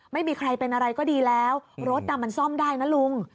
ไม่มีใครเป็นอะไรก็ดีแล้วรถมันซ่อมได้นะลุง